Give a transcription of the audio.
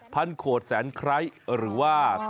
พันโคตรแสนไคร้หรือว่า